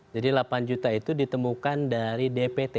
jadi delapan juta itu ditemukan dari dpt